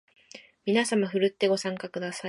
みなさまふるってご参加ください